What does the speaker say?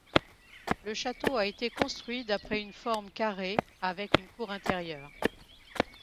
Le château a été construit d’après une forme carrée avec une cour intérieure.